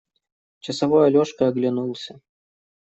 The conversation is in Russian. Часовой Алешка оглянулся.